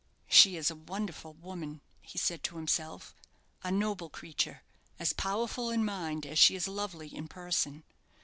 "She is a wonderful woman," he said to himself; "a noble creature. As powerful in mind as she is lovely in person.